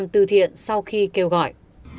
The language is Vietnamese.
từ thiện sau khi kêu gọi